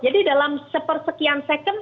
jadi dalam sepersekian second